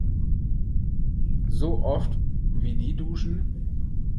So oft, wie die duschen!